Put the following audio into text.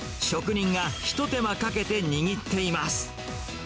職人が一手間かけて握っています。